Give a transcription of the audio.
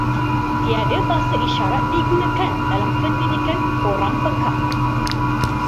Tiada bahasa isyarat digunakan dalam pendidikan orang pekak.